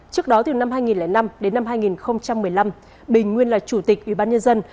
trước đó từ năm hai nghìn năm đến năm hai nghìn một mươi năm bình nguyên là chủ tịch ủy ban nhân dân